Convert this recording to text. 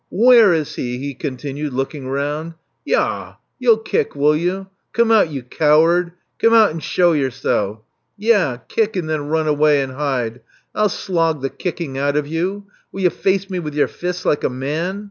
Where is he?" he continued, looking rotmd. Yah! You'll kick, will you? Come out, you coward. Come out and shew yourself. Yah ! Kick and then run away and hide! 1*11 slog the kicking out of you. Will you face me with your fists like a man?"